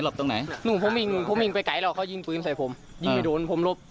เหตุการณ์นี้มันมีคำถามย้อนไปที่ธรรมรวช